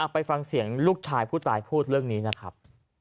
ไปฟังเสียงลูกชายผู้ตายพูดเรื่องนี้นะครับ